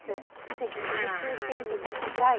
ぜひ練習してみてください。